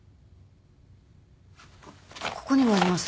ここにもあります。